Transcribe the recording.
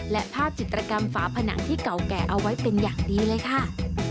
และภาพจิตรกรรมฝาผนังที่เก่าแก่เอาไว้เป็นอย่างดีเลยค่ะ